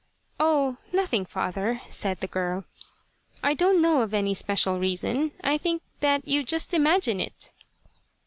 "Oh, nothing, father," said the girl. "I don't know of any special reason. I think that you just imagine it."